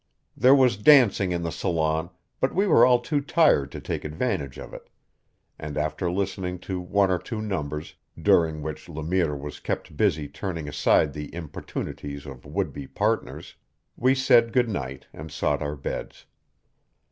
There was dancing in the salon, but we were all too tired to take advantage of it; and after listening to one or two numbers, during which Le Mire was kept busy turning aside the importunities of would be partners, we said good night and sought our beds.